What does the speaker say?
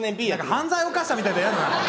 犯罪犯したみたいで嫌だな！